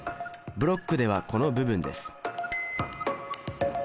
ブロックではこの部分です。